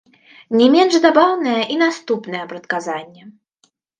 Не менш забаўнае і наступная прадказанне.